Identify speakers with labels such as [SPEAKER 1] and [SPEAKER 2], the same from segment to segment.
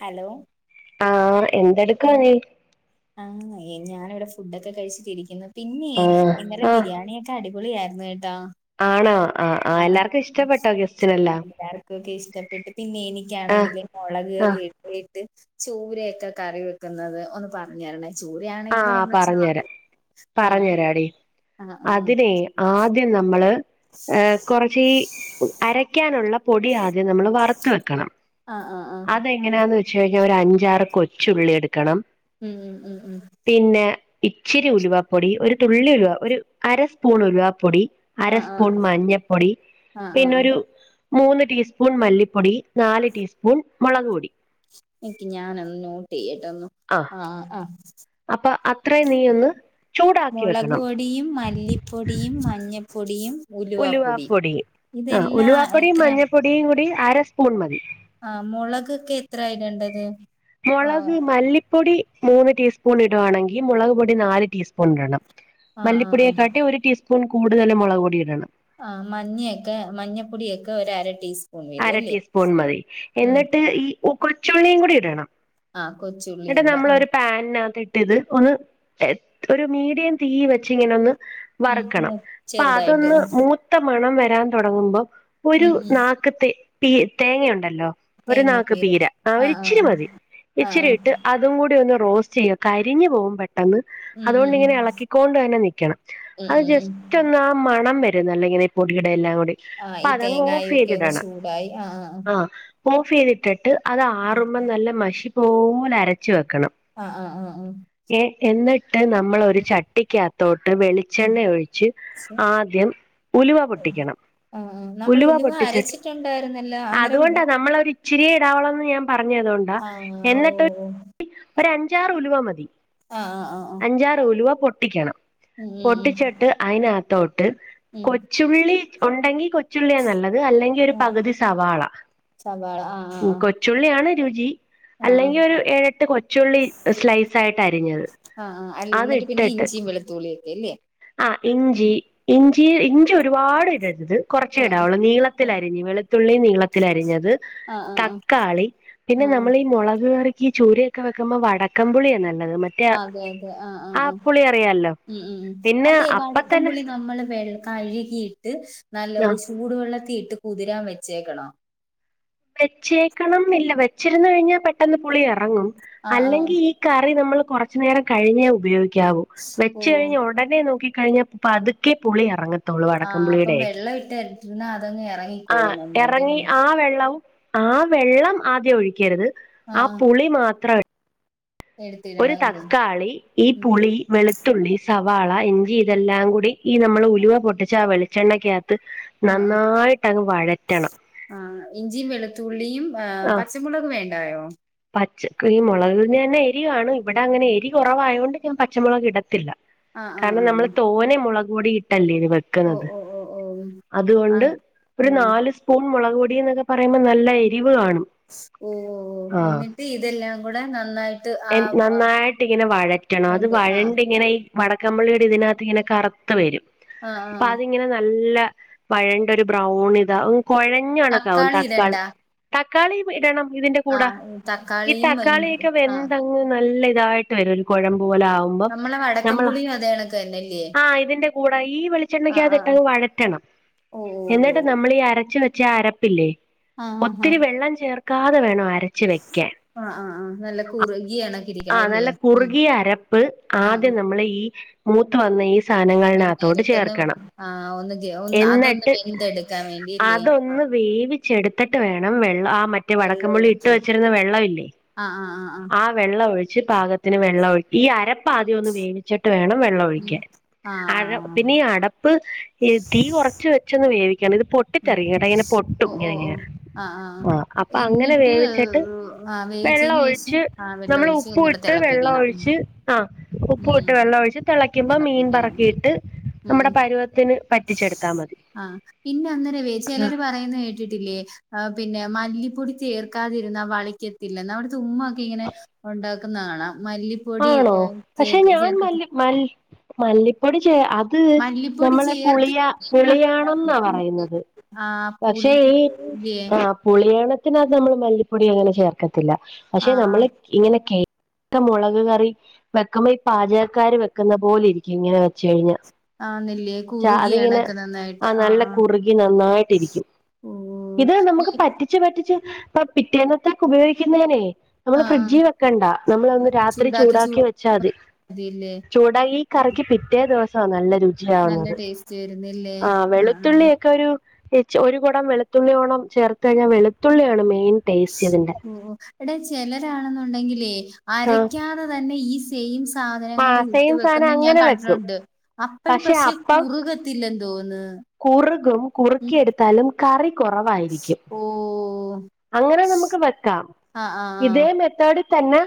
[SPEAKER 1] Hello
[SPEAKER 2] ആഹ് എന്തെടുക്കുവാ
[SPEAKER 1] ആഹ്
[SPEAKER 2] നീ
[SPEAKER 1] ആഹ് ഞാനിവിടെ ഫുഡൊക്കെ കഴിച്ചിട്ടിരിക്ക്ന്ന് പിന്നെ
[SPEAKER 2] ആഹ്
[SPEAKER 1] ഇന്നലെ
[SPEAKER 2] ആഹ്
[SPEAKER 1] ബിരിയാണി ക്കെ അടിപൊളിയായിരുന്നേട്ടോ
[SPEAKER 2] ആണോ ആഹ് ആഹ് എല്ലാർക്കും ഇഷ്ടപ്പെട്ടോക്കെ
[SPEAKER 1] എല്ലാർക്കൊക്കെ ഇഷ്ടപ്പെട്ട് പിന്നെ
[SPEAKER 2] ആഹ്
[SPEAKER 1] എനിക്കാണെങ്കില് മൊളക്
[SPEAKER 2] ആഹ്
[SPEAKER 1] കറിയിട്ടിട്ട് ചൂരയൊക്കെ കറി വെക്ക്ന്നത് ഒന്ന് പറഞ്ഞരണേ ചൂരാണെങ്കില്
[SPEAKER 2] ആഹ്
[SPEAKER 1] നമ്മള്
[SPEAKER 2] പറഞ്ഞുതരാം
[SPEAKER 1] [unintelligible] ആഹ്
[SPEAKER 2] പറഞ്ഞുതരാടി
[SPEAKER 1] ആഹ് ആഹ് ആഹ്
[SPEAKER 2] ആദ്യം നമ്മള് ഏഹ് കൊറച്ച് ഈ അരയ്ക്കാന്ള്ള പൊടി ആദ്യം നമ്മള് വറ്ത്ത് വെക്കണം
[SPEAKER 1] ആഹ് ആഹ് ആഹ്
[SPEAKER 2] അതെങ്ങനെയാന്ന് വെച്ച് കഴിഞ്ഞാ ഒര് അഞ്ചാറ് കൊച്ചുള്ളി എടുക്കണം
[SPEAKER 1] ഉം ഉം ഉം ഉം
[SPEAKER 2] പിന്നെ ഇച്ചിരി ഉലുവാപ്പൊടി ഒരു തുള്ളി ഉലുവ ഒരു അരസ്പൂൺ ഉലുവാപ്പൊടി
[SPEAKER 1] ആഹ്
[SPEAKER 2] അരസ്പൂൺ
[SPEAKER 1] ആഹ്
[SPEAKER 2] മഞ്ഞപ്പൊടി
[SPEAKER 1] ആഹ് ആഹ് ആഹ്
[SPEAKER 2] പിന്നൊരു മൂന്ന് ടീസ്പൂൺ മല്ലിപ്പൊടി നാല് ടീസ്പൂൺ മൊളക് പൊടി
[SPEAKER 1] നിക്കി ഞാനൊന്ന് നോട്ടേയ്യട്ടൊന്ന് ആഹ് ആഹ്
[SPEAKER 2] അപ്പൊ അത്രയും നീ ഒന്ന് ചൂടാക്കി
[SPEAKER 1] മൊളക്
[SPEAKER 2] വെക്കണം
[SPEAKER 1] പൊടിയും മല്ലിപ്പൊടിയും മഞ്ഞപ്പൊടിയും ഉലുവാപ്പൊടിയും
[SPEAKER 2] ഉലുവപ്പൊടി ആഹ്
[SPEAKER 1] ഇതെല്ലാം
[SPEAKER 2] ഉലുവവാപ്പൊടിയും
[SPEAKER 1] എത്ര
[SPEAKER 2] മഞ്ഞൾപ്പൊടിയും കൂടി അര സ്പൂൺ മതി
[SPEAKER 1] ആഹ് മൊളകൊക്കെ എത്രയിടണ്ടത്
[SPEAKER 2] മൊളക് മല്ലിപ്പൊടി മൂന്ന് ടീസ്പൂണിടുവാണെങ്കി മൊളക് പൊടി നാല് ടീസ്പൂണിടണം.
[SPEAKER 1] ആഹ് ആഹ് ആഹ്
[SPEAKER 2] മല്ലിപ്പൊടിയെക്കാട്ടി ഒരു ടീസ്പൂൺ കൂടുതല് മൊളക് പൊടിയിടണം.
[SPEAKER 1] ആ മഞ്ഞിയക്കെ മഞ്ഞപ്പൊടിയൊക്ക ഒരരടീസ്പൂ
[SPEAKER 2] അര ടീസ്പൂൺ മതി എന്നിട്ട് ഈ കൊച്ചുള്ളിയും കൂടിയിടണം.
[SPEAKER 1] ആഹ് കൊച്ചുള്ളിയും
[SPEAKER 2] ഇന്നട്ട്
[SPEAKER 1] കൂടെ ആഹ്
[SPEAKER 2] നമ്മളൊരു പാൻനാത്ത് ട്ടിത് ഒന്ന് ഒരു മീഡിയം തീവെച്ചിങ്ങനൊന്ന്
[SPEAKER 1] ഉം മൂ
[SPEAKER 2] വറ്ക്കണം അപ്പ
[SPEAKER 1] ചെറുതായിട്ട്
[SPEAKER 2] അതൊന്ന്
[SPEAKER 1] ആഹ്
[SPEAKER 2] മൂത്ത് മണം വരാൻ തുടങ്ങുമ്പോ ഒരു
[SPEAKER 1] ഉം ഉം
[SPEAKER 2] നാക്ക് തേ തേങ്ങയുണ്ടല്ലോ? ഒരു നാക്ക്
[SPEAKER 1] തേങ്ങാപ്പീരും
[SPEAKER 2] പീര ആ
[SPEAKER 1] ആഹ്
[SPEAKER 2] ഒരിച്ചിരി
[SPEAKER 1] ആഹ്
[SPEAKER 2] മതി
[SPEAKER 1] ആഹ് ആഹ് ആഹ്
[SPEAKER 2] ഇച്ചിരിയിട്ട് അതും കൂടിയൊന്ന് റോസ്റ്റ്യ്യ കരിഞ്ഞ് പോവും പെട്ടെന്ന്
[SPEAKER 1] ഉം ഉം ഉം
[SPEAKER 2] അതുകൊണ്ടിങ്ങനെ എളക്കിക്കോണ്ട് തന്നെ നിക്കണം
[SPEAKER 1] ഉം
[SPEAKER 2] അത്
[SPEAKER 1] ഉം ഉം
[SPEAKER 2] ജസ്റ്റ് റ്റൊന്നാ മണം വരും നല്ലങ്ങനെ ഈ പൊടിയിടെല്ലാം കൂടി
[SPEAKER 1] ആഹ
[SPEAKER 2] അപ്പൊ
[SPEAKER 1] ഈ
[SPEAKER 2] അതങ്ങ്
[SPEAKER 1] തേങ്ങായിയൊക്കെ ഒന്ന് സൂടായി ഹ ഹ ആ
[SPEAKER 2] ആഹാ ഓഫെയ്തിട്ട്ട്ട് അതാറുമ്പം നല്ല മഷി പോലരച്ച് വെക്കണം.
[SPEAKER 1] ആഹ് ആഹ ആഹ ആ
[SPEAKER 2] എ എന്ന്ട്ട് നമ്മളൊരു ചട്ടിക്കകത്തോട്ട് വെളി
[SPEAKER 1] ഉം
[SPEAKER 2] ച്ചെണ്ണയൊയിച്ച്
[SPEAKER 1] ആഹ്
[SPEAKER 2] ആദ്യം ഉലുവ പൊട്ടിക്കണം ഉലുവ പൊട്ടിച്ചിട്ട്
[SPEAKER 1] [unintelligible] ണ്ടായിരുന്നല്ലോ?
[SPEAKER 2] അതുകൊണ്ടാ നമ്മളൊരു ഇച്ചിരിയെ ഇടാവൊള്ളന്ന് ഞാൻ പറഞ്ഞേ അതോണ്ടാ
[SPEAKER 1] ആഹ് ഓഹ്
[SPEAKER 2] എന്നിട്ട്
[SPEAKER 1] ഓഹ്
[SPEAKER 2] ഒരു അഞ്ചാറുലുവ മതി
[SPEAKER 1] ആഹ് ആ ആ ആ്
[SPEAKER 2] അഞ്ചാറ് ഉലുവ പൊട്ടിക്കണം പൊട്ടിച്ചിട്ട് അയിനാത്തോട്ട്
[SPEAKER 1] ഉം ഉം
[SPEAKER 2] കൊച്ചുള്ളി ഒണ്ടെങ്കി കൊച്ചുള്ളിയാ നല്ലത് അല്ലെങ്കിലൊരു
[SPEAKER 1] ആഹ്
[SPEAKER 2] പകുതി സവാള
[SPEAKER 1] സവാള ആഹ് ആഹ്
[SPEAKER 2] മ്
[SPEAKER 1] ആഹ്
[SPEAKER 2] കൊച്ചുള്ളിയാണ് രുചി
[SPEAKER 1] ആഹ്
[SPEAKER 2] അല്ലെങ്കിയൊരു ഏഴെട്ട് കൊച്ചുള്ളി സ്ലൈസായിട്ടരിഞ്ഞത്
[SPEAKER 1] ആഹ അല്ല ഇന്നട്ട് പിന്നെ ഇഞ്ചിംവെളുത്തുള്ളിയൊക്കെ ഇല്യ
[SPEAKER 2] ആഹ് ഇഞ്ചി ഇഞ്ചി ഇഞ്ചിയൊരുപാട്‌ടര്ത് കൊറച്ചേ
[SPEAKER 1] ആഹ്
[SPEAKER 2] ഇടാവുള്ളൂ നീളത്തിലരിഞ്ഞ് [unintelligible] വെളുത്തുള്ളി നീളത്തിലരിഞ്ഞത്
[SPEAKER 1] ആഹ് ആഹ്
[SPEAKER 2] തക്കാളി പിന്നെ
[SPEAKER 1] ആഹ് ആഹ്
[SPEAKER 2] ഞമ്മളീ മൊളക് കറിക്കീ ചൂര ക്കവെക്കുമ്പോ വടക്കം പുളിയാ നല്ലത് മ
[SPEAKER 1] അതെ അതെ ആ ആ ആ ഉം ഉ
[SPEAKER 2] പിന്നെ
[SPEAKER 1] അതെ
[SPEAKER 2] അപ്പ തന്നെ
[SPEAKER 1] വടക്കംപുള്ളി നമ്മള് വെള്ള കഴുകിയിട്ട് നല്ല
[SPEAKER 2] ആഹ്
[SPEAKER 1] സൂടുവെള്ളത്തിയിട്ട് കുതിരാൻ വെച്ചേക്കണം
[SPEAKER 2] വെച്ചേക്കണംന്നില്ല വെച്ചിരുന്നു കഴിഞ്ഞാ പെട്ടെന്ന് പുളിയെറങ്ങും
[SPEAKER 1] ആഹ് ആഹ്
[SPEAKER 2] അല്ലെങ്കി ഈ ക്കറി നമ്മള് കൊറച്ച്നേരം കഴിഞ്ഞേ ഉപയോഗിക്കാവൂ വെച്ച്
[SPEAKER 1] ഓഹ്
[SPEAKER 2] കഴിഞ്ഞൊടനെ നോക്കി കഴിഞ്ഞ പ്പതുക്കേ പുളി ഇറങ്ങത്തൊ [unintelligible] ത്തോളൂ വടക്കം
[SPEAKER 1] ആഹ് അപ്പം
[SPEAKER 2] പുളിയുടെ
[SPEAKER 1] വെള്ളം ഇട്ട് ഇട്ടിരുന്നാ അതങ്ങ്
[SPEAKER 2] ആ
[SPEAKER 1] ഇറങ്ങിക്കോളും
[SPEAKER 2] എറങ്ങി
[SPEAKER 1] നന്നായിട്ടല്ലേ
[SPEAKER 2] ആ വെള്ളവും ആ വെള്ളം ആദ്യ ഒഴിക്കരുത് ആ
[SPEAKER 1] ആഹ്
[SPEAKER 2] പുളി മാത്ര ഒരു
[SPEAKER 1] എടുത്തിടണം അല്ലേ
[SPEAKER 2] തക്കാളി ഈ
[SPEAKER 1] ഉം
[SPEAKER 2] പുളി വെളു ത്തുള്ളി, സവാള, ഇഞ്ചി, ഇതെല്ലാം കൂടി ഈ നമ്മൾ ഉലുവ പൊട്ടിച്ച ആ വെളിച്ചെണ്ണക്കാത്ത് നന്നായിട്ടങ്ങ് വയറ്റാ
[SPEAKER 1] ആ ഇഞ്ചിംവെളുത്തുള്ളിയും പച്ചമുളക് വേണ്ടായോ?
[SPEAKER 2] പച്ചക്ക് ഈ മൊളക്നന്നെ എരികാണും ഇവടങ്ങനെ എരി കൊറവായോണ്ട് ഞാൻ പച്ചമൊളകിടത്തില്ല.
[SPEAKER 1] ആഹ്
[SPEAKER 2] കാരണം
[SPEAKER 1] ആഹ് ആഹ്
[SPEAKER 2] നമ്മള് തോനെ മൊളക് പൊടി ഇട്ടല്ലേ [unintelligible]
[SPEAKER 1] ഓഹ്
[SPEAKER 2] വെക്ക്ണത്
[SPEAKER 1] ഓഹ് ഓഹ് ഓഹ്
[SPEAKER 2] അതുകൊണ്ട്
[SPEAKER 1] ആഹ്
[SPEAKER 2] ഒരു
[SPEAKER 1] ആഹ്
[SPEAKER 2] നാല് സ്പൂ സ്പ്പൂൺ മൊളക് പൊടി എന്നൊക്കെ പറയുമ്പോ നല്ല എരിവ് കാണും
[SPEAKER 1] ഓ ഓ എന്നിട്ട് ഇതെല്ലാം കൂടെ നന്നായിട്ട് ആ
[SPEAKER 2] എഹ്
[SPEAKER 1] ആ
[SPEAKER 2] നന്നായിട്ടിങ്ങനെ വഴറ്റണം അത്
[SPEAKER 1] ഉണ്ട് ആ
[SPEAKER 2] വഴണ്ടിങ്ങനെ ഈ വടക്കംമ്പുള്ളിയുടെ ഇതിനകത്തിങ്ങനെ കറ്ത്ത് വെരും
[SPEAKER 1] ആഹ ആഹ
[SPEAKER 2] ഇങ്ങനെ നല്ല വഴണ്ടൊരു ബ്രൗണിതാ ഹാഹൂ കൊഴഞ്ഞണക്കാവും തക്കാളി തക്കാളി ഇടണം ഇതിന്റെ
[SPEAKER 1] ആ
[SPEAKER 2] കൂടെ ഈ
[SPEAKER 1] തക്കാളിയും ഇഞ്ചി-
[SPEAKER 2] തക്കാളിയൊക്കെ
[SPEAKER 1] ആ
[SPEAKER 2] വെന്ത് നല്ല ഇതായിട്ട് വരും ഒരു കുഴമ്പുപോലെ ആകും [unintelligible]
[SPEAKER 1] നമ്മളെ
[SPEAKER 2] നമ്മള
[SPEAKER 1] വടക്കംപുളിയും അതേ കണക്ക് തന്നെല്ലേ
[SPEAKER 2] ആ ഇതിന്റെ കൂടെ ഈ
[SPEAKER 1] ആ
[SPEAKER 2] വെളിച്ചെണ്ണക്ക അത്
[SPEAKER 1] ആ ആ.
[SPEAKER 2] ഇട്ടങ് വഴറ്റണം
[SPEAKER 1] ഓ ഓ ഓ
[SPEAKER 2] എന്നിട്ട് നമ്മളീ അരച്ചുവ ച്ചാ അരപ്പില്ലേ
[SPEAKER 1] ആ ആ ആ
[SPEAKER 2] ഒത്തിരി വെള്ളം ചേർക്കാതെ വേണം അരച്ച് വെക്കാൻ
[SPEAKER 1] ആഹ് ആഹ് ആഹ് നല്ല കുറുകിയാണ്
[SPEAKER 2] ആ നല്ല കുറുകിയ അരപ്പ്
[SPEAKER 1] ആ ആ.
[SPEAKER 2] ആദ്യം നമ്മൾ ഈ മൂത്ത് വന്ന ഈ സാധങ്ങളകത്തോട്
[SPEAKER 1] എണ്ണയിലിട്ടൊന്ന്
[SPEAKER 2] ചേർക്കണം
[SPEAKER 1] ആ ഒന്ന് ഗ- ഒന്ന് അതൊന്ന്
[SPEAKER 2] എന്നിട്ട്
[SPEAKER 1] വെന്തെടുക്കാൻ വേണ്ടില്ലേ
[SPEAKER 2] അതൊന്ന് വേവിച്ചെടുത്തിട്ട് വേണം വെള്ളം ആ മറ്റേ മറ്റേ വടക്കൻ
[SPEAKER 1] വെള്ളം
[SPEAKER 2] പുളി ഇട്ട്
[SPEAKER 1] ഒഴിക്കാൻ
[SPEAKER 2] വെച്ചിരുന്ന വെള്ളമല്ലേ ആ വെള്ളൊഴിച്ച് പാകത്തിന് വെള്ളമഴി ഈ അരപ്പ് ആദ്യം ഒന്ന് വേവിച്ചിട്ട് വേണം വെള്ളൊഴി
[SPEAKER 1] ഉം. ആ ആ
[SPEAKER 2] [unintelligible] പിന്നെ ആ അടപ്പ് തീ കൊറച്ച് വെച്ച് വേവിക്കണം ഇത് പൊ
[SPEAKER 1] ഉം
[SPEAKER 2] പൊട്ടിതെറിക്കും കേട്ട ഇങ്ങനെ
[SPEAKER 1] ഓ
[SPEAKER 2] പൊട്ടും
[SPEAKER 1] ഓ
[SPEAKER 2] ഇങ്ങനങ്ങെ
[SPEAKER 1] ഓ ആഹ് ആഹ്
[SPEAKER 2] ആ അപ്പൊ അങ്ങനെ
[SPEAKER 1] എന്നിട്ട്
[SPEAKER 2] വേവിച്ചിട്ട്
[SPEAKER 1] ആ
[SPEAKER 2] വെള്ളം
[SPEAKER 1] വേവിച്ചതിന് ശേഷം
[SPEAKER 2] ഒഴിച്ച്
[SPEAKER 1] ആ വെള്ളം
[SPEAKER 2] നമ്മള്
[SPEAKER 1] ഒഴിച്ച്
[SPEAKER 2] ഉപ്പു
[SPEAKER 1] ഒന്നുകൂടെ
[SPEAKER 2] ഇട്ട് വെള്ളം
[SPEAKER 1] തിളപ്പിക്കണം
[SPEAKER 2] ഒഴിച്ച് ആഹ്
[SPEAKER 1] ഉം
[SPEAKER 2] ഉപ്പ്
[SPEAKER 1] ഉം
[SPEAKER 2] ഇട്ട് വെള്ള ഒഴിച്ച് തിളയ്ക്കുമ്പോ മീൻ
[SPEAKER 1] തിളപ്പിക്കണം ഉം
[SPEAKER 2] പറക്കിയിട്ട്
[SPEAKER 1] ഉം
[SPEAKER 2] നമ്മുടെ
[SPEAKER 1] ഉം
[SPEAKER 2] പരുവത്തിന് പറ്റിച്ചെടുത്താൽ മതി
[SPEAKER 1] ആ പിന്റെ അന്നേരവേ ചിലർ പറയുന്ന കേ പിന്നെ മല്ലിപ്പൊടി ചേർക്കാതിരുന്ന വളിക്കത്തില്ല ചുമ്മൊക്കെ ഇങ്ങനെ ഉണ്ടാക്കുന്നത കാണാം മല്ലിപ്പൊടി
[SPEAKER 2] ആണോ
[SPEAKER 1] ചേ
[SPEAKER 2] പക്ഷെ ഞാൻ
[SPEAKER 1] ചേർക്ക
[SPEAKER 2] മല്ലി മല്ലിപ്പൊടി ചേർ ആ അത്
[SPEAKER 1] മല്ലിപ്പൊടി
[SPEAKER 2] നമ്മളെ
[SPEAKER 1] ചേർത്ത്
[SPEAKER 2] പുളിയാ
[SPEAKER 1] ഇങ്ങനൊക്കെ ഉണ്ടാക്കും.
[SPEAKER 2] പുളിയാണെന്നാ പറയുന്നത്
[SPEAKER 1] ആ
[SPEAKER 2] പക്ഷേ
[SPEAKER 1] പുളി
[SPEAKER 2] ഈ
[SPEAKER 1] ഇല്ലേ
[SPEAKER 2] ആ പുളിയണത്തിനകത് നമ്മൾ മല്ലിപ്പൊടി അങ്ങനെ ചേർക്കത്തില്ല
[SPEAKER 1] ആ
[SPEAKER 2] പക്ഷെ
[SPEAKER 1] ആ
[SPEAKER 2] നമ്മള ഇങ്ങനെ കേൾക്ക മുളക് കറി വെക്കുമ്പോ ഈ പാചകക്കാര് വെക്കുന്ന പോലെ ഇരിക്കും ഇങ്ങനെ വെച്ച കഴിഞ്ഞ
[SPEAKER 1] ആന്നില്ലേ
[SPEAKER 2] ച
[SPEAKER 1] കുറുകിയ
[SPEAKER 2] അതിങ്ങനെ
[SPEAKER 1] കണക്ക് നന്നായിട്ട്
[SPEAKER 2] ആ നല്ല കുറുകി നന്നായിട്ട ഇരിക്കും
[SPEAKER 1] ഓ
[SPEAKER 2] ഇത് നമുക്ക് പറ്റി പറ്റിച്ച് പിറ്റേന്നത്തക്കെ ഉപയോഗിക്കുന്നേനേ നമ്മള്
[SPEAKER 1] ആ ആ
[SPEAKER 2] ഫ്രിഡ്ജിൽ വെക്കണ്ട നമ്മള ഒന്ന് രാത്രി ഒത്തിരി ചൂടാക്കി വെച്ചാൽതി
[SPEAKER 1] ചൂടാതില്ലേ
[SPEAKER 2] ചൂടായി കറിക്കി പിറ്റേ ദിവസമാണ് നല്ലരുചി
[SPEAKER 1] നല്ല
[SPEAKER 2] [unintelligible]
[SPEAKER 1] ടേസ്റ്റ് വരുന്നില്ലേ
[SPEAKER 2] ആ
[SPEAKER 1] ആഹ് ആഹ്
[SPEAKER 2] വെളുത്തുള്ളിയൊക്കെ ഒരു ഒരു കുട വെളുത്തുള്ളിയോണം ചേർത്ത് കഴിഞ്ഞാൽ വെളുത്തുള്ളിയാണ് മെയിൻ ടേസ്റ്റ് ഇതിന്റെ
[SPEAKER 1] ഓ എടെ ചിലരാണെന്നുണ്ടെങ്കിലേ
[SPEAKER 2] ആ
[SPEAKER 1] അരക്കാതെ തന്നെ ഈ സെയിം
[SPEAKER 2] ആ
[SPEAKER 1] സാധനങ്ങൾ ഇട്ട
[SPEAKER 2] സെയിം സാധനം
[SPEAKER 1] വെക്കുന്ന ഞാൻ
[SPEAKER 2] അങ്ങനെ വെക്കും
[SPEAKER 1] കണ്ടിട്ടുണ്ട് അപ്പോഴ പക്ഷെ കുറുക [unintelligible] തോന്ന്
[SPEAKER 2] കുറുകും കുറുക്കിയെടുത്താലും കറി കുറവായിരിക്കും
[SPEAKER 1] ഓ
[SPEAKER 2] അങ്ങനെ നമുക്ക് വെക്കാം
[SPEAKER 1] ആഹ് ആഹ്
[SPEAKER 2] ഇതേ
[SPEAKER 1] ആഹ്
[SPEAKER 2] മെത്തേഡ് തന്നെ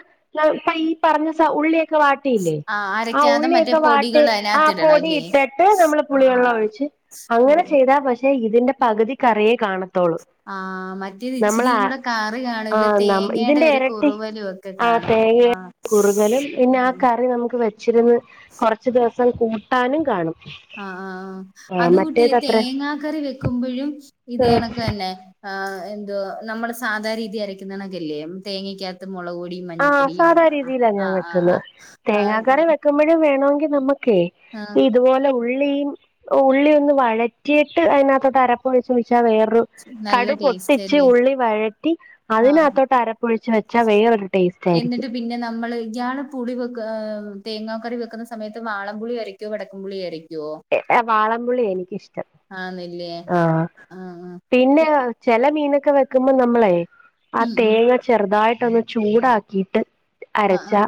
[SPEAKER 2] ഈ പറഞ്ഞ ഉള്ളിയ വാട്ടിയില്ലേ
[SPEAKER 1] ആഹ്
[SPEAKER 2] ആ
[SPEAKER 1] അരക്കാതെ
[SPEAKER 2] ഉള്ളി
[SPEAKER 1] മറ്റേ
[SPEAKER 2] ഒക്കെ വാട്ടിട്ട്
[SPEAKER 1] പൊടികൾ അതിനകത്ത് ഇടണം
[SPEAKER 2] പൊടി
[SPEAKER 1] അല്ലേ
[SPEAKER 2] ഇട്ടിട്ട് പുളിവെള്ളം
[SPEAKER 1] ആഹ്
[SPEAKER 2] ഒഴിച്ച്
[SPEAKER 1] ഓ
[SPEAKER 2] അങ്ങനെ ചെയ്താ പക്ഷേ ഇതിന്റെ പകുതി കറിയെ കാണത്തോളൂ
[SPEAKER 1] ആഹ് മറ്റേത് ഇച്ചിരിയും കൂടെ കറി കാണുംല്ല തേങ്ങയുടെ
[SPEAKER 2] ഇതിന്റെ
[SPEAKER 1] ഒരു
[SPEAKER 2] ഇരട്ടി
[SPEAKER 1] കുറുവലും ഒക്കെ
[SPEAKER 2] ആ
[SPEAKER 1] കാണും
[SPEAKER 2] തേങ്ങ
[SPEAKER 1] ആ
[SPEAKER 2] കുറുകലും പിന്നെ ആ കറി നമുക്ക് വെച്ചിരുന്ന് കൊറച്ചു ദിവസം കൂട്ടാനും കാണും
[SPEAKER 1] ആഹ് ആഹ്
[SPEAKER 2] ആ
[SPEAKER 1] അതകൂട്ടി
[SPEAKER 2] മറ്റേത് അത്ര
[SPEAKER 1] തേങ്ങാ കറി വെക്കുമ്പോഴും ഇതണക്ക് തന്നെ ആഹ് എന്തോ നമ്മള് സാധാ രീതി അരയ്ക്കുന്നണക്കല്ലേ തേങ്ങക്ക മുളക് പൊടിയും
[SPEAKER 2] ആഹ്
[SPEAKER 1] മഞ്ഞപ്പൊടിയും
[SPEAKER 2] സാധാ
[SPEAKER 1] ആഹ്
[SPEAKER 2] രീതിയിലാ
[SPEAKER 1] ആഹ് ആഹ് ആഹ്
[SPEAKER 2] ഒഴിക്കുമ്പോഴും വേണമെങ്കിൽ നമുക്കേ
[SPEAKER 1] ആഹ്
[SPEAKER 2] ഇതുപോലെ ഉള്ളിയും ഉള്ളി ഒന്ന് വഴറ്റിയിട്ട് അതിനകത്ത് അരപ്പ് ഒഴിച്ച് വെച്ചാൽ വേറെ [unintelligible]
[SPEAKER 1] നല്ല
[SPEAKER 2] കടു
[SPEAKER 1] ടേസ്റ്റ്
[SPEAKER 2] പൊട്ടിച്ച്
[SPEAKER 1] അല്ലേ
[SPEAKER 2] ഉള്ളി വഴറ്റി
[SPEAKER 1] ആഹ്
[SPEAKER 2] അതിനകത്തോട്ട് അരപ്പൊഴിച്ച് വെച്ചാ വേറരു
[SPEAKER 1] എന്നിട്ട് പിന്നെ നമ്മൾ ഇയാൾ പുളി വെക്ക തേങ്ങാ കറി വെക്കുന്ന സമയത്ത് വാളംപുളി അരക്കുമോ വെടക്കുംപുളി അരക്കുമോ
[SPEAKER 2] [unintelligible] വാളപുളി എനിക്കിഷ്ടം
[SPEAKER 1] ആന്ന്ല്ലേ
[SPEAKER 2] ആഹ്
[SPEAKER 1] ആഹ് ആഹ്
[SPEAKER 2] പിന്നെ ചെല മീനൊക്കെ വെക്കുമ്പോ നമ്മളെ, ആ
[SPEAKER 1] ഉം ഉം
[SPEAKER 2] തേങ്ങ ചെറുതായിട്ട്ന്ന് ചൂടാക്കിയിട്ട് അരച്ച
[SPEAKER 1] ആഹ്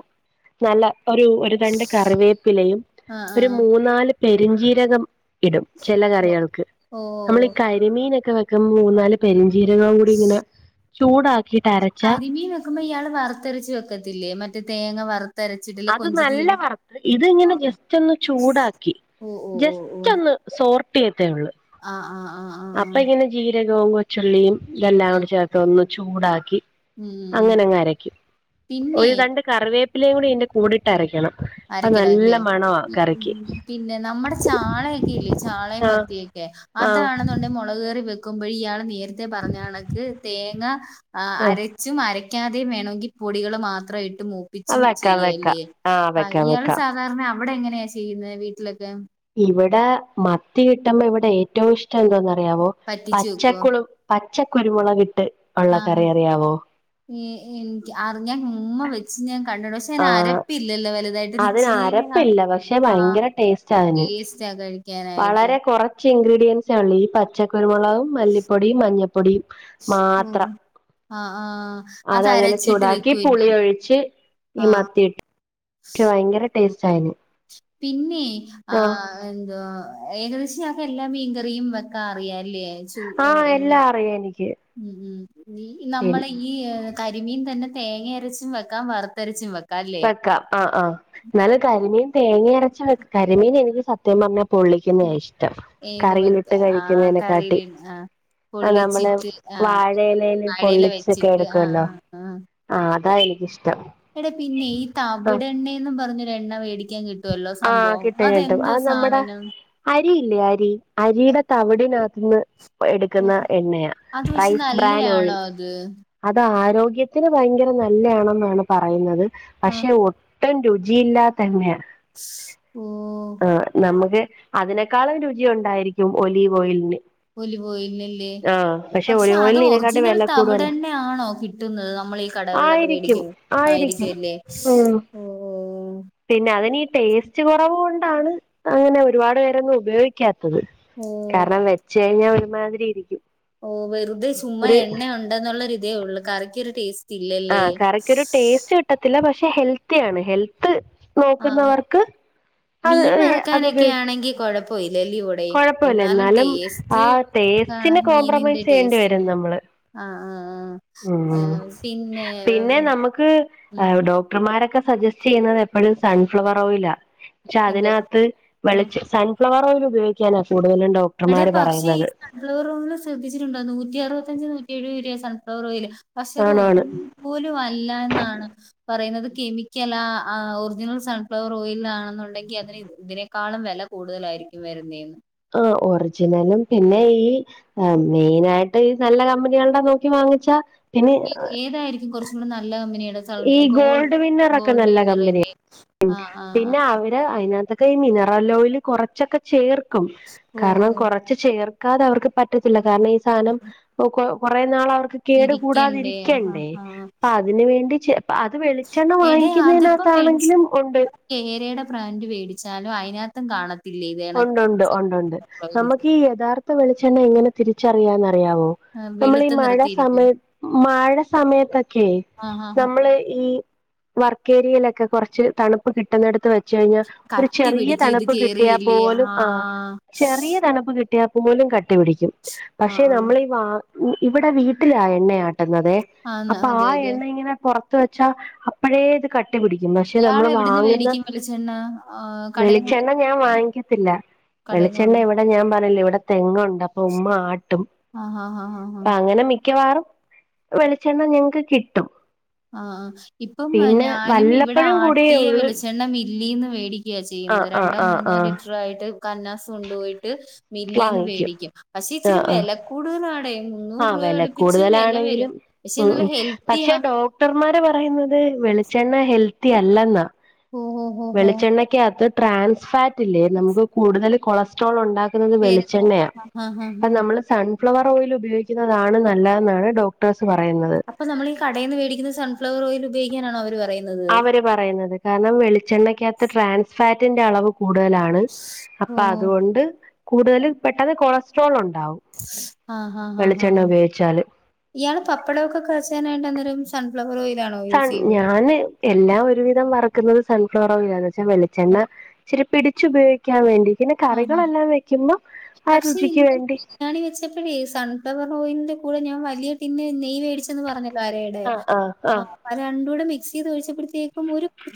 [SPEAKER 2] നല്ല ഒരു ഒരു രണ്ട് കറിവേപ്പിലയും,
[SPEAKER 1] ആഹ് ആഹ്
[SPEAKER 2] ഒരു
[SPEAKER 1] ആഹ്
[SPEAKER 2] മൂന്നാല് പെരിഞ്ചീരകം ഇടും ചെല
[SPEAKER 1] ഓഹ്
[SPEAKER 2] കറികൾക്ക്.
[SPEAKER 1] ഓഹ്
[SPEAKER 2] നമ്മള് കരിമീനൊക്കെ വെക്കുമ്പോൾ മൂന്നാല് പെരിഞ്ചീരകോം കൂടി ഇങ്ങനെ ചൂടാക്കിട്ട് അരച്ചാ,
[SPEAKER 1] ക്കുമ്പ ഇയാള് വറത്തരച്ച് വെക്കത്തില്ലേ മറ്റേ തേങ്ങ വറ
[SPEAKER 2] അത് നല്ല വറുത്ത് ഇത് ഇങ്ങനെ ജസ്റ്റ് ഒന്ന് ചൂടാക്കി.
[SPEAKER 1] ഓ ഓ ഓ
[SPEAKER 2] ജസ്റ്റ് ഒന്ന് സോർട്ടിയത്തേ ഉള്ളു.
[SPEAKER 1] ആ ആ ആ ആ.
[SPEAKER 2] അപ്പൊ ഇങ്ങനെ ജീരകവും കൊച്ചുള്ളിയും, ഇതെല്ലാം കൂടെ ചേർത്ത് ഒന്ന് ചൂടാക്കി,
[SPEAKER 1] ഉം ഉം
[SPEAKER 2] അങ്ങനങ്ങരക്കും. ഒരു രണ്ട് കറിവേപ്പിലേം കൂടി ഇയന്റ
[SPEAKER 1] അരക്കണംല്ലേ.
[SPEAKER 2] മണവാ കറിക്ക്
[SPEAKER 1] പിന്നെ നമ്മടെ ചാളയൊക്കെ ഇല്ലേ. ചാളേം
[SPEAKER 2] ആഹ്
[SPEAKER 1] മത്തിയൊക്കെ.
[SPEAKER 2] ആഹ്
[SPEAKER 1] അതാണെന്നുണ്ടെ മുളക് കറി വെക്കുമ്പോഴ ഇയാള് [unintelligible] ത്തെ പറഞ്ഞ കണക്ക് തേങ്ങ
[SPEAKER 2] ആ
[SPEAKER 1] അരച്ചും അര ക്കാതെ വേണോങ്കി പൊടികള് മാത്രമായിട്ട്
[SPEAKER 2] ആ
[SPEAKER 1] മൂപ്പിച്ചും
[SPEAKER 2] വെക്കാം
[SPEAKER 1] ചെയ്യല്ലേ.
[SPEAKER 2] വെക്കാം ആ
[SPEAKER 1] ആഹ്
[SPEAKER 2] വെക്കാം
[SPEAKER 1] ഇയാള്
[SPEAKER 2] വെക്കാം
[SPEAKER 1] സാധാരണ അവിടെ എങ്ങനെയാ ചെയ്യുന്നത് വീട്ടിലൊക്കെ?
[SPEAKER 2] ഇവിട മത്തി കിട്ട്മ്പോ ഇവിടെ ഏറ്റവും ഇഷ്ടം എന്തോന്നറിയാവോ
[SPEAKER 1] പറ്റിച്ചു വെക്കുവോ
[SPEAKER 2] പച്ചക്കുളു പച്ചക്കുരുമുളക്കിട്ട് ഉള്ള കറി അറിയാവോ?
[SPEAKER 1] എ എനിക്ക് അറിഞ്ഞാൻ ഉമ്മ വെച്ച് ഞാൻ കണ്ടിണ്ട്. പക്ഷെ അതിന്
[SPEAKER 2] ആ
[SPEAKER 1] അരപ്പില്ലല്ലോ വലുതായിട്ട്. ഒരു
[SPEAKER 2] അതിന്
[SPEAKER 1] ഇച്ചിരിനെ
[SPEAKER 2] അരപ്പില്ല. പക്ഷെ
[SPEAKER 1] ആഹ്
[SPEAKER 2] ഭയങ്കര ടേസ്റ്റാ അതിന്,
[SPEAKER 1] ടേസ്റ്റാ കഴിക്കാനായിട്ട്
[SPEAKER 2] വളരെ കുറ ച്ചിൻഗ്രീഡിയൻസേ ഉള്ളു. ഈ പച്ചക്കരുമുളകും, മല്ലിപ്പൊടിയും, മഞ്ഞപ്പൊടിയും
[SPEAKER 1] ഓഹ്
[SPEAKER 2] മാത്രം.
[SPEAKER 1] ആഹ് ആഹ് അത്
[SPEAKER 2] അതങ്ങനെ
[SPEAKER 1] അരച്ചിട്ട്
[SPEAKER 2] ചൂടാക്കി
[SPEAKER 1] വെക്കുവല്ലേ
[SPEAKER 2] പുളിയൊഴിച്ച് ഈ
[SPEAKER 1] ആഹ്
[SPEAKER 2] മത്തിയിട്ട്
[SPEAKER 1] പിന്നെ ആ എന്തോ ഏകദേശം ഇയാക്കെല്ലാ മീൻകറിയും വെക്കാ അറിയല്ലേ. ചു
[SPEAKER 2] ആ [unintelligible] എനിക്ക്
[SPEAKER 1] ഉം ഉം
[SPEAKER 2] പിന്നെ
[SPEAKER 1] നമ്മളെ ഈ യ് കരിമീൻ തന്നെ തേങ്ങ അരച്ചും വെക്കാം, വറുത്തരച്ചും വെക്കാം. അല്ലേ
[SPEAKER 2] വെക്കാം. ആഹ് ആഹ എന്നാല് കരിമീൻ തേങ്ങ അരച്ച് വെക്കാ. കരിമീൻ എനിക്ക് സത്യം പറഞ്ഞ പൊള്ളിക്കുന്നയാ ഇഷ്ടം. കറിയിലിട്ട് കഴിക്കുന്നതിനെകാട്ട്.
[SPEAKER 1] ആ
[SPEAKER 2] ആ നമ്മള് വാഴലേല്
[SPEAKER 1] വാഴയില
[SPEAKER 2] പൊള്ളിച്ചൊക്കെ
[SPEAKER 1] വെച്ചിട്ട് ആഹ്
[SPEAKER 2] എടുക്കുവല്ലോ.
[SPEAKER 1] ആഹ് ആഹ്
[SPEAKER 2] ആ അതാ എനിക്കിഷ്ടം.
[SPEAKER 1] എടാ പിന്നെ ഈ
[SPEAKER 2] ആഹ്
[SPEAKER 1] തവിടണ്ണേന്ന്‌ പറഞ്ഞ എണ്ണ മേടിക്കാൻ കിട്ടും വല്ലോ
[SPEAKER 2] ആഹ്
[SPEAKER 1] സംഭവം.
[SPEAKER 2] കിട്ടും കിട്ടും
[SPEAKER 1] അതെന്തോ
[SPEAKER 2] അത് നമ്മുടെ
[SPEAKER 1] സാധനം?
[SPEAKER 2] അരിയില്ലേ അരി അരിയുടെ തവിടിനകത്തന്ന്,
[SPEAKER 1] ഓ
[SPEAKER 2] എടുക്കുന്ന എണ്ണയാ
[SPEAKER 1] അത് പക്ഷെ
[SPEAKER 2] റൈസ് ബ്രാൻഡ്
[SPEAKER 1] നല്ലയാണോ
[SPEAKER 2] ഓയില്.
[SPEAKER 1] അത്
[SPEAKER 2] അത് ആരോഗ്യത്തിന് ഭയങ്കര നല്ലയാണെന്നാണ് പറയുന്നത്.
[SPEAKER 1] ആ
[SPEAKER 2] പക്ഷെ ഒ ട്ടും രുചിയില്ലാത്ത എണ്ണയാണ്.
[SPEAKER 1] ശ് ഓ.
[SPEAKER 2] ആ നമുക്ക് അതിനേക്കാളം രുചി ഉണ്ടായിരിക്കും ഒലീവ് ഓയിലിന്.
[SPEAKER 1] ഒലിവ് ഓയില്ലല്ലേ.
[SPEAKER 2] ആഹ്
[SPEAKER 1] പക്ഷെ
[SPEAKER 2] ഒലിവ്
[SPEAKER 1] അത്
[SPEAKER 2] ഓയിലിന് ഇതിനെക്കാട്ടി
[SPEAKER 1] ഒറിജിനൽ
[SPEAKER 2] വില കൂടുതലാ
[SPEAKER 1] തവിടെണ്ണ ആണോ കിട്ട കിട്ടുന്നത്, നമ്മളി കടകളിലൊക്കെ
[SPEAKER 2] ആയിരിക്കും
[SPEAKER 1] മേടിക്കും
[SPEAKER 2] ആയിരിക്കും
[SPEAKER 1] ആയിരിക്കുംല്ലേ.
[SPEAKER 2] ഉം പിന്നെ അതിനി ടേസ്റ്റ് കുറവു കൊണ്ടാണ്, അങ്ങനെ ഒരുപാട് പേരൊന്നും ഉപയോഗിക്ക ത്തത്.
[SPEAKER 1] ഓ
[SPEAKER 2] കാരണം വെച്ച് കഴിഞ്ഞാ ഒരുമാതിരി ഇരിക്കും.
[SPEAKER 1] ഓ വെറുതെ ചുമ്മാ
[SPEAKER 2] ഒരു
[SPEAKER 1] എണ്ണ ഉണ്ടെന്നുള്ളൊരു ഇതേ ഉള്ളൂ. കറിക്കൊരു ടേസ്റ്റ് ഇല്ലല്ലേ
[SPEAKER 2] ആഹ കറിക്കൊരു ടേസ്റ്റ് കിട്ടത്തില്ല. പക്ഷെ ഹെൽത്തിയാണ്. ഹെൽത്ത്
[SPEAKER 1] ആ
[SPEAKER 2] നോക്കുന്നവർക്ക് അത്
[SPEAKER 1] മീൻ
[SPEAKER 2] അത്
[SPEAKER 1] വറക്കാനൊക്കെ
[SPEAKER 2] ഉപയോഗി
[SPEAKER 1] ആണെങ്കി കൊഴപ്പല്ലല്ല്യോടെ,
[SPEAKER 2] കുഴപ്പമില്ല
[SPEAKER 1] എന്നാലും ടേസ്റ്റ്
[SPEAKER 2] ആ ടേസ്റ്റിന്
[SPEAKER 1] [unintelligible] മീനിന്റെ
[SPEAKER 2] കോംപ്രമൈസ് ചെയ്യേണ്ടി
[SPEAKER 1] ടേസ്റ്റണ്ട്. ആ ആ ആ
[SPEAKER 2] മം. പിന്നെ നമുക്ക്
[SPEAKER 1] ഉം
[SPEAKER 2] [unintelligible] ക്ടർമാരൊക്കെ സജസ്റ്റ് ചെയ്യുന്നത് എപ്പഴും സൺഫ്ലവർ ഓയിലാ. ക്ഷെ
[SPEAKER 1] എന്തോ
[SPEAKER 2] അതിനകത്ത്
[SPEAKER 1] ഉം
[SPEAKER 2] വിെളച്ച് സൺഫ്ലവർ, ഓയിൽ ഉപയോഗിക്കാനാ കൂടുതലും ഡോക്ടർമാർ പറയുന്നത്.
[SPEAKER 1] [unintelligible] ശ്രദ്ധിച്ചിട്ടണ്ട നൂറ്റി അറപത്തഞ്ച് നൂറ്റി എഴുപെയാണ് സൺഫ്വർ റയിയില് [unintelligible]
[SPEAKER 2] ആണാണ്
[SPEAKER 1] തോന്നുന്നു പോല് വല്ല ന്നാണ്. പറയുന്നത് കെമിക്കൽല ആ ഒറിജിനൽ സൺഫ്ലവർ ഓയിൽ ആണെന്നുണ്ടെങ്കിൽ. അതിന് ഇതിനെ ക്കാളും വില കൂടുതലായിരിക്കും വരുന്നേന്ന്.
[SPEAKER 2] ആ ഒറിജിനലും പിന്നെ ഈ മെയിന ആയിട്ട് ഈ നല്ല കമ്പനികളുടെ നോക്കി വാങ്ങിച്ചാ. പിന്നെ
[SPEAKER 1] ഏതായിരിക്കും കുറച്ചും കൂടെ നല്ല കമ്പനികള്.
[SPEAKER 2] ഈ
[SPEAKER 1] സ് ഗോൾഡ
[SPEAKER 2] ഗോൾഡ് വിന്നറൊക്കെ
[SPEAKER 1] ഗോൾഡ്
[SPEAKER 2] നല്ല
[SPEAKER 1] നിയർല്ലി. ആഹ് ആഹ ആ
[SPEAKER 2] അതിനത്തക്കെ ഈ മിനറൽ ഓയൽ കുറച്ചൊക്കെ ചേർക്കും. കാരണം
[SPEAKER 1] ഓഹ്
[SPEAKER 2] കുറ ചേർക്കാതെ അവർക്ക് പറ്റത്തില്ല. കാരണം ഈ സാധനം കുറേ നാൾ അവർക്ക് കേട്
[SPEAKER 1] ഇരിക്കണ്ടേ ആഹ്
[SPEAKER 2] കൂടാതിരിക്കണ്ടേ
[SPEAKER 1] ആഹ്
[SPEAKER 2] അപ്പൊ അതിന് വേണ്ടി. അത് വെളിച്ചെണ്ണ
[SPEAKER 1] എടേ അതിപ്പം മേടിച്ച്
[SPEAKER 2] വാങ്ങിക്കുന്നതിനകത്താണെങ്കിലും ഉണ്ട്.
[SPEAKER 1] കേരയുടെ ബ്രാൻഡ് വേടിച്ചാലും അതിനകത്തും കാണ
[SPEAKER 2] ഉണ്ട് ഉണ്ട് ഉണ്ട് ഉണ്ട് നമുക്ക് ഈ യഥാർത്ഥ വെളിച്ചെണ്ണ എങ്ങനെ തിരിച്ചറിയാന്ന്റിയാവോ? നമ്മളെ ഈ
[SPEAKER 1] വെളുത്ത്
[SPEAKER 2] മഴ
[SPEAKER 1] നിർത്തിയിരിക്കും
[SPEAKER 2] സമയത് മഴ സമയത്തൊക്കെ
[SPEAKER 1] ആഹ് ആഹ്
[SPEAKER 2] നമ്മള് ഈ വർക്കേരിയയിലൊക്കെ കുറച്ച് തണുപ്പ് കിട്ടുന്നടുത്ത്. വെച്ച കഴിഞ്ഞ ഒരു
[SPEAKER 1] കട്ടി
[SPEAKER 2] ചെറിയ
[SPEAKER 1] പിടിക്കും ഇത്
[SPEAKER 2] തണുപ്പ് കിട്ടിയാൽ
[SPEAKER 1] കേറിയില്ലേ
[SPEAKER 2] പോലും
[SPEAKER 1] ആഹ്
[SPEAKER 2] ആ ചെറിയ തണുപ്പ് കിട്ടിയ പോലും കട്ടിപിടിക്കും
[SPEAKER 1] ആഹ്
[SPEAKER 2] പക്ഷെ
[SPEAKER 1] ആഹ്
[SPEAKER 2] നമ്മളി ഈ വ ഇവിടെ വീട്ടിലാ എണ്ണയാ ന്ന്തേ
[SPEAKER 1] ആന്ന്
[SPEAKER 2] അപ്പൊ ആ
[SPEAKER 1] അതെ അതെ
[SPEAKER 2] എണ്ണ ഇങ്ങനെ പുറത്ത് വെച്ചാ അപ്പോഴ ഇത് കട പി ടിക്കും പക്ഷെ നമ്മൾ
[SPEAKER 1] ഇയാള് എവിടുന്ന്
[SPEAKER 2] വാങ്ങുന്ന.
[SPEAKER 1] മേടിക്കും വെളിച്ചെണ്ണ കടയിന്ന്
[SPEAKER 2] വെളിച്ചെണ്ണ ഞാൻവാങ്ങിക്കാ ത്തില്ല
[SPEAKER 1] കടയിന്ന്
[SPEAKER 2] വെളിച്ചെണ്ണ ഇവിടെ ഞാൻ പറഞ്ഞില്ലോ ഇവിടെ തെങ്ങുണ്ട് അപ്പൊ ഉമ്മ ആട്ടും.
[SPEAKER 1] ആഹ് ആഹ് ആഹ് ആഹ്
[SPEAKER 2] അപ്പൊ അങ്ങനെ മിക്കവാറും വെളിച്ചെണ്ണ ഞങ്ങക്ക് കിട്ടും.
[SPEAKER 1] ആഹ... ഇപ്പം
[SPEAKER 2] പിന്നെ
[SPEAKER 1] ഞാനും ഇവിടെ
[SPEAKER 2] വല്ലപ്പോഴും കൂടിയേ
[SPEAKER 1] ആട്ടിയ
[SPEAKER 2] ഉള്ളൂ
[SPEAKER 1] വെളിച്ചെണ്ണം മില്ലേന്ന് മേടിക്കയാ
[SPEAKER 2] ആ
[SPEAKER 1] ചെയ്യുന്നത്
[SPEAKER 2] ആ
[SPEAKER 1] രണ്ടോ
[SPEAKER 2] ആ
[SPEAKER 1] മൂന്നോ
[SPEAKER 2] ആ
[SPEAKER 1] ലിറ്റർ. ലിറ്റർ ആയിട്ട്. കന്നാസ് കൊണ്ടുപോയിട്ട്. മില്ലേന്ന്
[SPEAKER 2] വാങ്ങിക്കും
[SPEAKER 1] വേടിക്കും. പക്ഷെ ഇച്ചിരി വെല കൂടുതലാണ്.
[SPEAKER 2] ആ വില കൂടുതലാണെങ്കിലും
[SPEAKER 1] പക്ഷെ
[SPEAKER 2] ഉ
[SPEAKER 1] നല്ല
[SPEAKER 2] പക്ഷെ
[SPEAKER 1] ഹെൽത്തിയാ
[SPEAKER 2] ഡോക്ട ഡോക്ടർമാര് പറയുന്നത് വെളിച്ചെണ്ണ ഹെൽത്തി അല്ലെന്നാ
[SPEAKER 1] ഓ ഹോ ഹോ ഹോ
[SPEAKER 2] വെളിച്ചെണ്ണ. ത്ത് ട്രാൻസ് ഫാറ്റല്ലേ നമുക്ക് കൂടുതൽ കൊളസ്ട്രോൾ ഉണ്ടാക്ക
[SPEAKER 1] പേരെന്താ
[SPEAKER 2] വെളിച്ചെണ്ണയാ
[SPEAKER 1] ആഹ് ആഹ്
[SPEAKER 2] അ
[SPEAKER 1] ആഹ്
[SPEAKER 2] നമ്മള് സൻ ഷൻഫ്ലവർ ഓയിൽ ഉപയോഗിക്കുന്നതാണ്. നല്ലതെന്നാണ് ഡോക്ടേഴ്സ് പറയുന്നത്.
[SPEAKER 1] അപ്പ നമ്മൾ ഈ കടേന്നു വെടിക്കുന്ന സൺഫ്ലവർ ഓയിൽ ഉയോഗിക്കാനാണ് അവ പറയുന്നത്.
[SPEAKER 2] അവര് പറയുന്നത് കാരണം വെളിച്ചെണ്ണക്കകത്ത് ട്രാൻസ്ഫാറ്റിന്റെ അളവ്. കൂടുതലാണ്
[SPEAKER 1] ഓ
[SPEAKER 2] അപ്പൊ അതുകൊണ്ട് കൂടുതൽ പെട്ടെന്ന് കൊളസ്ട്രോൾ ഉണ്ടാവും.. വെളിച്ചെണ്ണ ഉപയോഗിച്ചാല്.
[SPEAKER 1] ഇയാൾ പപ്പടമൊക്കെ കാച്ചാനായിട്ട് അന്നേരം സൺഫ്ലവർ ഓയിയിലാണോ
[SPEAKER 2] സൺ
[SPEAKER 1] യൂസ് ചെയ്തത്?
[SPEAKER 2] ഞാന് എല്ലാം ഒരുവിധം വറുക്കുന്നത്. സൺഫ്ലവർ ഓയിലാന്ന്. വെച്ചാൽ വെളിച്ചെണ്ണ ഇച്ചിരി പിടിച്ചു ഉപയോഗിക്ക വക്കാൻ വേണ്ടി പിന്നെ
[SPEAKER 1] ആഹ് ആഹ്
[SPEAKER 2] കറികളെല്ലാം വെക്കുമ്പോ ആ
[SPEAKER 1] പക്ഷെ
[SPEAKER 2] രുചിക്ക്
[SPEAKER 1] ഇന്നലെ
[SPEAKER 2] വേണ്ടി.
[SPEAKER 1] ബിരിയാണി വെച്ചപ്പോഴ ഈ സൺഫവർ ഓയിലിന്റെ കൂടെ ഞാൻ വലിയ ടിന് നെയ് വേടിച്ചെന്ന് പറഞ്ഞല്ലോ.
[SPEAKER 2] ആഹ് ആഹ് ആഹ്
[SPEAKER 1] അപ്പൊ രണ്ടും കൂടെ മിക്സ് ചെയ്ത് ഒഴിച്ചപ്പോഴത്തേക്കുംഒരു..